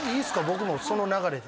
僕もその流れで。